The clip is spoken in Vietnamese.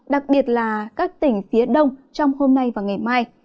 đặc biệt là các tỉnh phía đông trong hôm nay và ngày mai